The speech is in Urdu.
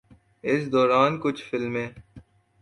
اس دوران کچھ فلمیں